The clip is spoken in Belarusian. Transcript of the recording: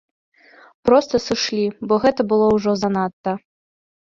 Проста сышлі, бо гэта было ўжо занадта.